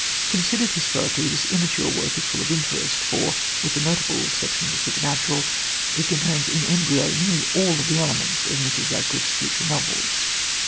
Considered historically, this immature work is full of interest, for, with the notable exception of the supernatural, it contains in embryo nearly all the elements of Mrs. Radcliffe's future novels.